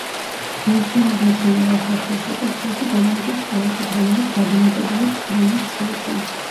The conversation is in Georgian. ბევრჯერ აღმოჩენილა უხერხულ სიტუაციაში დედამისის წყალობით, რომელიც გადამეტებულად ზრუნავს შვილზე.